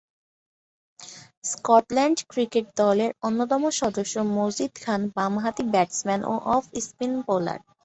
Scotland cricket দলের অন্যতম সদস্য মজিদ খান বামহাতি ব্যাটসম্যান ও অফ স্পিন বোলার।